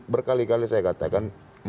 berkali kali saya katakan